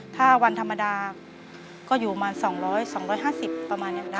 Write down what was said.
ถ้าวันธรรมดาก็อยู่มา๒๕๐บาทประมาณอย่างนั้น